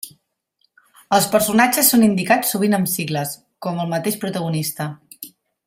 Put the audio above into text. Els personatges són indicats sovint amb sigles, com el mateix protagonista.